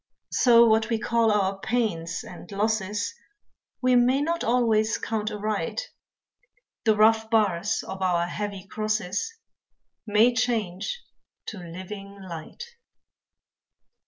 So what we call our pains and losses We may not always count aright, The rough bars of our heavy crosses May change to living light.